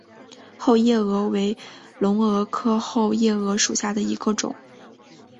后夜蛾为隆蛾科后夜蛾属下的一个种。